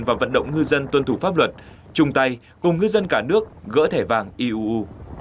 và vận động ngư dân tuân thủ pháp luật chung tay cùng ngư dân cả nước gỡ thẻ vàng iuu